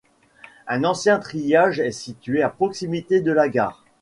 Un ancien triage est situé à proximité de la gare.